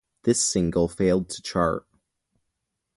This single failed to chart.